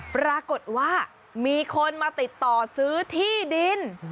ปรากฏว่ามีคนมาติดต่อซื้อที่ดิน